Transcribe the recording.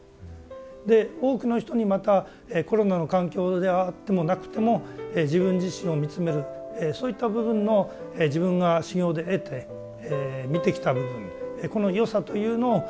で多くの人にまたコロナの環境であってもなくても自分自身を見つめるそういった部分の自分が修行で得て見てきた部分この良さというのを広めたい。